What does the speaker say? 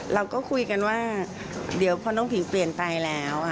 เราก็คุยกันว่าเดี๋ยวพอน้องผิงเปลี่ยนไปแล้ว